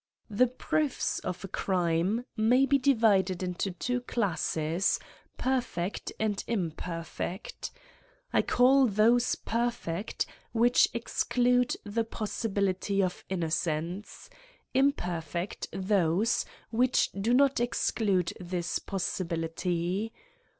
The proofs of a crime may be divided into twb classes, perfect and imperfect. 1 call those per«^ feet which exclude the posbibility of innocence ; imperfect^ those which do not exclude this possi bility.